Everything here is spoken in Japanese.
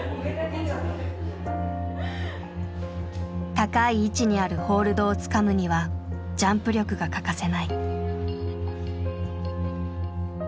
高い位置にあるホールドをつかむにはジャンプ力が欠かせない。